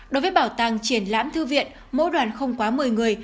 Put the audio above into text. đối với bảo tàng triển lãm thư viện mỗi đoàn không quá một mươi người